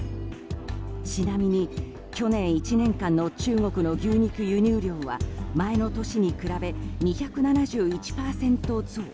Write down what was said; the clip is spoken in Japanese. ちなみに、去年１年間の中国の牛肉輸入量は前の年に比べ２７１％増。